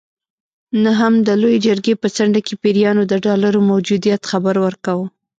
نه هم د لویې جرګې په څنډه کې پیریانو د ډالرو موجودیت خبر ورکاوه.